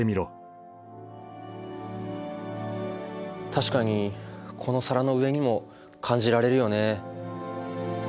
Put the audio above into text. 確かにこの皿の上にも感じられるよね。